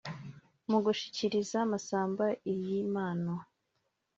Mu gushyikiriza Masamba iyi mpano